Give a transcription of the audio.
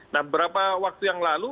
nah berapa waktu yang lalu